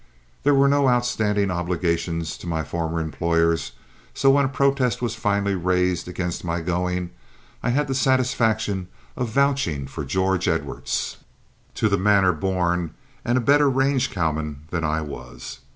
There were no outstanding obligations to my former employers, so when a protest was finally raised against my going, I had the satisfaction of vouching for George Edwards, to the manner born, and a better range cowman than I was.